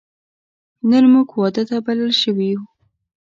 نن موږ واده ته بلل شوی یو